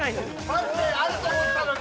マジであると思ったのに！